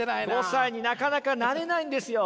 ５歳になかなかなれないんですよ。